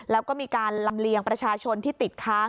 แล้วก็มีการลำเลียงประชาชนที่ติดค้าง